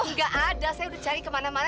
nggak ada saya udah cari kemana mana